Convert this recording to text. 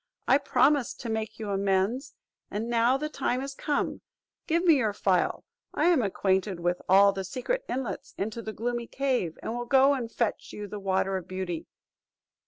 I promised to make you amends, and now the time is come; give me your phial; I am acquainted with all the secret inlets into the gloomy cave, and will go and fetch you the water of beauty."